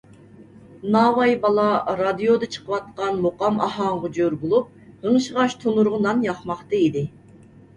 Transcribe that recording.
ناۋاي بالا رادىيودا چىقىۋاتقان مۇقام ئاھاڭىغا جور بولۇپ غىڭشىغاچ تونۇرغا نان ياقماقتا ئىدى.